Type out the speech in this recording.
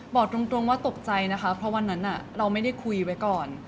บอกตรงว่าตกใจนะคะเพราะวันนั้นเราไม่ได้คุยไว้ก่อน